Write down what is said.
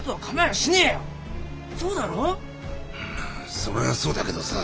それはそうだけどさ。